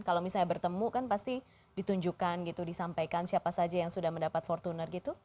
kalau misalnya bertemu kan pasti ditunjukkan gitu disampaikan siapa saja yang sudah mendapat fortuner gitu